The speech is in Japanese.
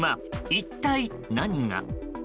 一体何が？